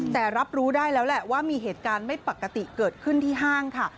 แต่รับรู้ได้แล้วแหละว่ามีเหตุการณ์ไม่ปกติเกิดขึ้นที่ห้างค่ะ